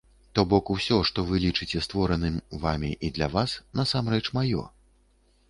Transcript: То бок усё, што вы лічыце створаным вамі і для вас, насамрэч маё.